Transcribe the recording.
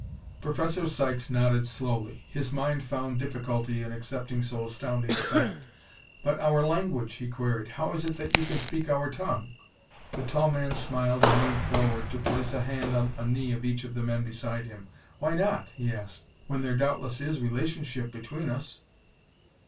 Professor Sykes nodded slowly; his mind found difficulty in accepting so astounding a fact. "But our language?" he queried. "How is it that you can speak our tongue?" The tall man smiled and leaned forward to place a hand on a knee of each of the men beside him. "Why not," he asked, "when there doubtless is relationship between us.